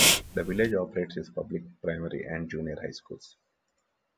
The village operates its public primary and junior high schools.